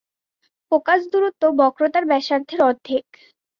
Focus দূরত্ব বক্রতার ব্যাসার্ধের অর্ধেক।